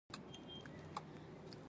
د زړه د تنګي لپاره باید څه وکړم؟